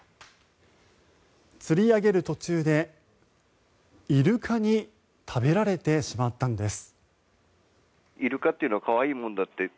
釣り上げる途中で、イルカに食べられてしまったんです。